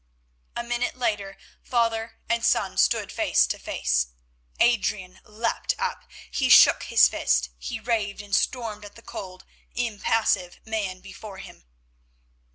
A minute later father and son stood face to face. Adrian leaped up; he shook his fist, he raved and stormed at the cold, impassive man before him.